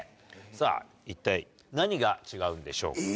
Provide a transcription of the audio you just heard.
さあ、一体何が違うんでしょうか。